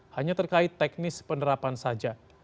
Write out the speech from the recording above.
hanya terkait teknis penerapan saja